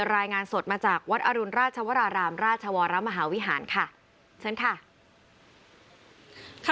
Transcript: รายงานสดมาจากวัดอรุณราชวรารามราชวรมหาวิหารค่ะเชิญค่ะ